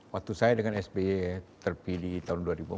waktu saya dengan spy terpilih tahun dua ribu empat